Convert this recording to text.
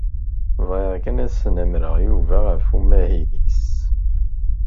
Bɣiɣ kan ad snamreɣ Yuba ɣef umahil-is.